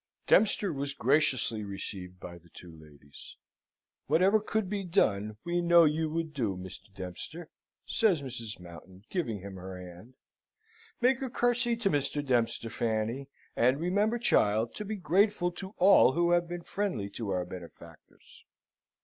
Dempster was graciously received by the two ladies. "Whatever could be done, we know you would do, Mr. Dempster," says Mrs. Mountain, giving him her hand. "Make a curtsey to Mr. Dempster, Fanny, and remember, child, to be grateful to all who have been friendly to our benefactors.